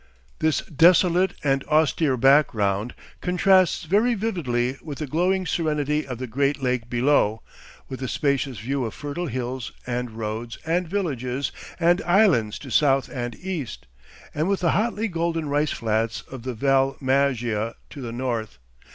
This desolate and austere background contrasts very vividly with the glowing serenity of the great lake below, with the spacious view of fertile hills and roads and villages and islands to south and east, and with the hotly golden rice flats of the Val Maggia to the north.